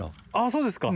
そうですか。